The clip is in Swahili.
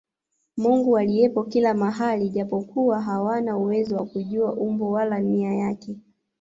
Mungu aliyepo kila mahali japokuwa hawana uwezo wa kujua umbo wala nia yake